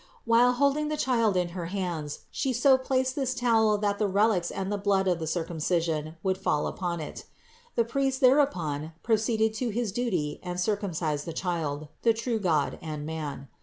While holding the Child in her hands She so placed this towel that the relics and the blood of the Circumcision would fall upon it. The priest thereupon proceeded to his duty and circumcised the Child, the true God and man.